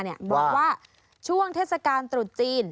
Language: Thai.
บอกว่าช่วงเทศกาลตรุษจีน